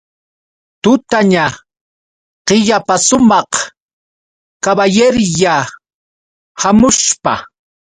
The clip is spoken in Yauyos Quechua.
Tutaña killapasumaq kaballerya hamushpa.